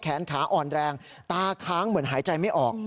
แขนขาอ่อนแรงตาค้างเหมือนหายใจไม่ออก